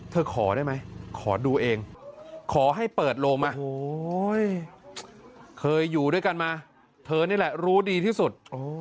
ขอได้ไหมขอดูเองขอให้เปิดโลงมาเคยอยู่ด้วยกันมาเธอนี่แหละรู้ดีที่สุด